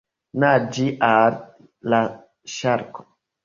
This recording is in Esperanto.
Naĝi al la ŝarko!